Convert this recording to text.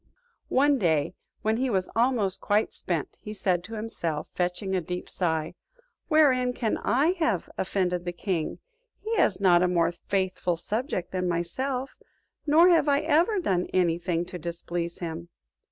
One day when he was almost quite spent, he said to himself, fetching a deep sigh, "Wherein can I have offended the king? He has not a more faithful subject than myself; nor have I ever done any thing to displease him."